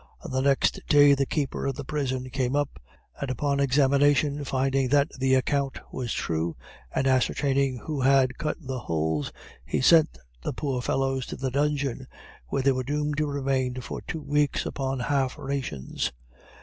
On the next day the keeper of the prison came up, and upon examination finding that the account was true, and ascertaining who had cut the holes, he sent the poor fellows to the dungeon, where they were doomed to remain for two weeks upon half rations.